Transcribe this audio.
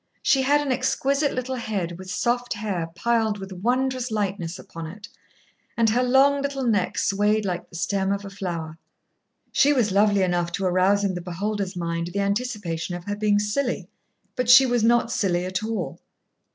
She had an exquisite little head, with soft hair piled with wondrous lightness upon it, and her long little neck swayed like the stem of a flower. She was lovely enough to arouse in the beholder's mind the anticipation of her being silly, but she was not silly at all.